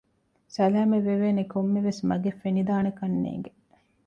ސަލާމަތްވެވޭނެ ކޮންމެވެސް މަގެއް ފެނިދާނެކަންނޭނގެ